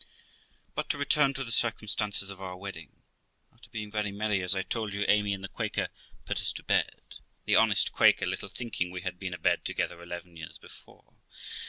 But to return to the circumstances of our wedding. After being very merry, as I have told you, Amy and the Quaker put us to bed, the honest Quaker little thinking we had been abed together eleven years before.